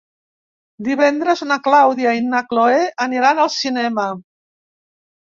Divendres na Clàudia i na Cloè aniran al cinema.